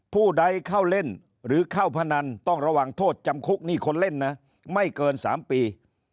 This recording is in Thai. ผู้ใดเข้าเล่นหรือเข้าพนันต้องระวังโทษจำคุกนี่คนเล่นนะไม่เกิน๓ปี